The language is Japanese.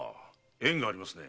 縁がありますね。